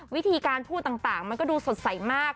วิธีการพูดต่างมันก็ดูสดใสมาก